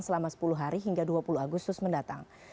selama sepuluh hari hingga dua puluh agustus mendatang